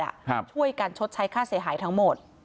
ช่วยกันชดใช้ค่าเสียหายทั้งหมด